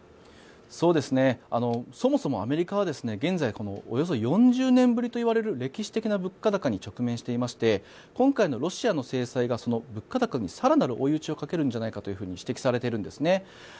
そもそもアメリカは現在、およそ４０年ぶりといわれる歴史的な物価高に直面していまして今回のロシアの制裁がその物価高に更なる追い打ちをかけるのではないかと指摘されているんです。